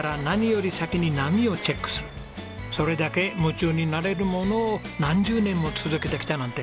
それだけ夢中になれるものを何十年も続けてきたなんて